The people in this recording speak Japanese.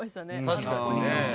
確かにね。